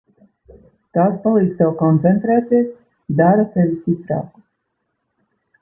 Tās palīdz tev koncentrēties, dara tevi stiprāku.